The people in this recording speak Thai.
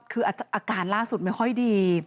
คืออาการล่าสุดไม่ค่อยดี